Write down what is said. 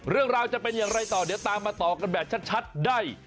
เรื่องราวจะเป็นอย่างไรต่อเดี๋ยวตามมาต่อกันแบบชัดได้